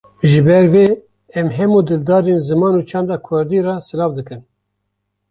Ji ber vê em hemû dildarên ziman û çanda Kurdî re silav dikin.